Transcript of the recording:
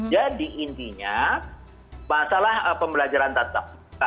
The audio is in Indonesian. jadi intinya masalah pembelajaran tetap